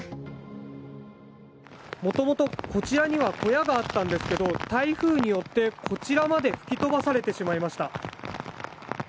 元々、こちらには小屋があったんですが台風によってこちらまで吹き飛ばされてしまいました。